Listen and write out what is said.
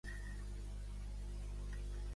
És intel·ligent, afectuós i bon caçador.